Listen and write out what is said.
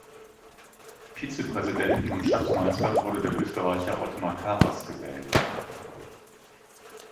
Vizepräsidenten und Schatzmeister wurde der Österreicher Othmar Karas gewählt.